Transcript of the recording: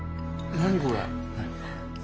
何これ。